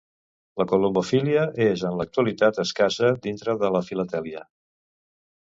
La columbofília és en l'actualitat escassa dintre de la filatèlia.